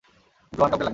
জোয়ান কাউকে লাগবে!